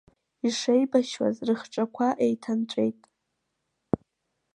Ишеибашьуаз рыхҿақәа еиҭанҵәеит.